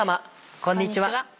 こんにちは。